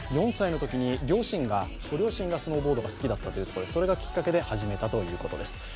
４歳のときにご両親がスノーボードが好きだったということでそれがきっかけで始めたということです。